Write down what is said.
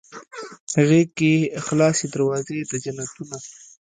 غیږ کې یې خلاصې دروازې د جنتونه